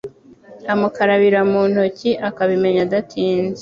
amukarabira mu ntoki akabimenya adatinze